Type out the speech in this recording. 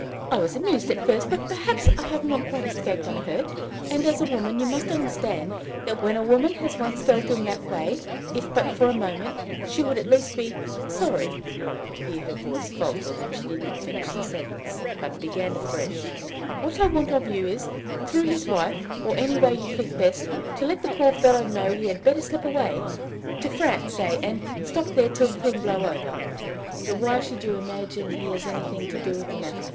I was amused at first, but perhaps I have not quite escaped unhurt; and, as a woman, you must understand that, when a woman has once felt in that way, if but for a moment, she would at least be sorry " Here her voice faltered, and she did not finish the sentence, but began afresh: "What I want of you is, through his wife, or any way you think best, to let the poor fellow know he had better slip away to France, say and stop there till the thing blow over." "But why should you imagine he has had anything to do with the matter?